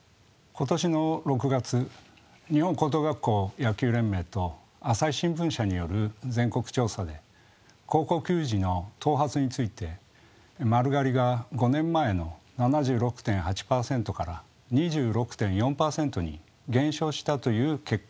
今年の６月日本高等学校野球連盟と朝日新聞社による全国調査で高校球児の頭髪について「丸刈り」が５年前の７６．８％から２６．４％に減少したという結果が注目されました。